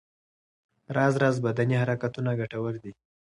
راز راز بدني حرکتونه ګټور دي.